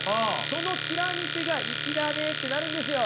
そのチラ見せがいきだねってなるんですよ。